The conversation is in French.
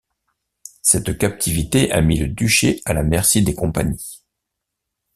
Cette captivité a mis le duché à la merci des compagnies.